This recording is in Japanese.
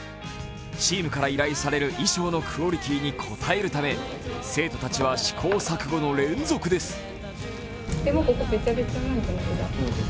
チームから依頼される衣装のクオリティーに応えるため生徒たちは試行錯誤の連続です。